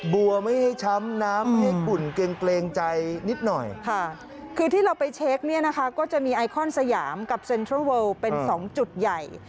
บัวไม่ให้ช้ำน้ำไม่ให้กลุ่นเกร็งใจนิดหน่อย